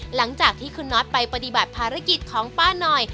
หลังจากที่คุณน็อตไปปฏิบัติภารกิจของป้าหน่อย